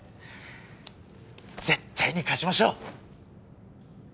絶対に勝ちましょう！